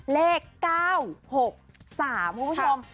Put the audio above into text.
เลข๙๖๓คุณผู้ชม